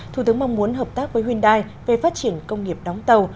thủ tướng mong muốn hợp tác với hyundai về phát triển công nghiệp đóng tàu